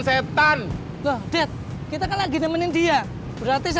setan lovely tidak kelar gini menit gradually setanya kita skipis inino mas bukan gak usah kesal